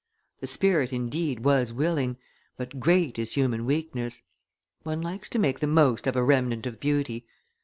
The spirit, indeed, was willing, but great is human weakness; one likes to make the most of a remnant of beauty.